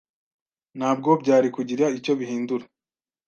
Ntabwo byari kugira icyo bihindura.